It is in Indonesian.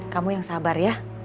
kamu yang sabar ya